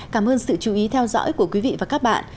cảm ơn sự chú ý theo dõi của quý vị và các bạn